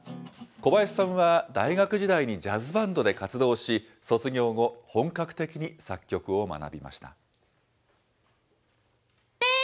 小林さんは、大学時代にジャズバンドで活動し、卒業後、本格的に作曲を学びました。